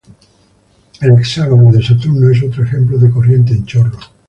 El Hexágono de Saturno es otro ejemplo de corriente en chorro.